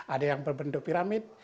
ada yang berbentuk piramid